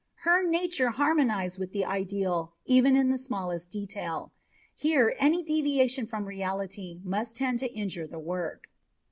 Her nature harmonized with the ideal even in the smallest detail; here any deviation from reality must tend to injure the work.